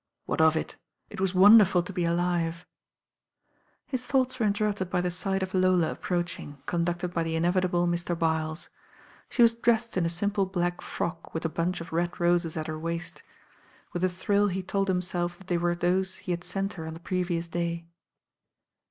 What of it? It was wonderful to be alive I !' »t THE DANGER LINE 205 His thoughts were interrupted by the sight of Lola approaching, conducted by the inevitable Mr. Byles. She was dressed in a simple black frock with a bunch of red roses at her waist. With a thrill he told himself that they were those he had sent her on the previous day.